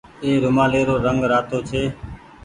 اي رومآلي رو رنگ رآتو ڇي۔